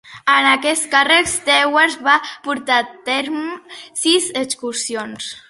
En aquest càrrec, Stewart va portar a terme sis execucions.